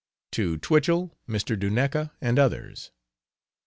TO TWICHELL, MR. DUNEKA AND OTHERS.